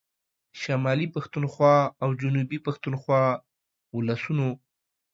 شمالي پښتونخوا او جنوبي پښتونخوا ولسونو